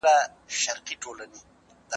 ټولنپوهنه اوس ډېرې څېړنیزې موضوعات لري.